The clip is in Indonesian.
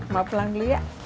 maaf langgeli ya